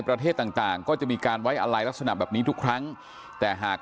ประเทศต่างต่างก็จะมีการไว้อะไรลักษณะแบบนี้ทุกครั้งแต่หาก